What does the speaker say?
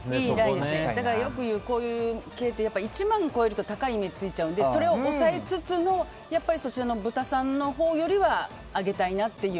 よく言うこういう系って１万を超えると高いイメージがついちゃうのでそれを抑えつつもやっぱり豚さんのほうよりは上げたいなっていう。